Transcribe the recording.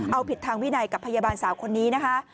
เอาผิดทางวินัยกับพยาบาลสาวคนนี้นะคะ